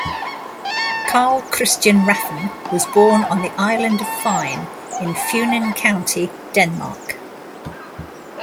Carl Christian Rafn was born on the island of Fyn, in Funen County, Denmark.